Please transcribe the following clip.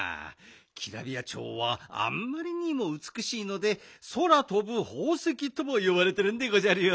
キラビヤチョウはあんまりにもうつくしいので「そらとぶほうせき」ともよばれてるんでごじゃるよ。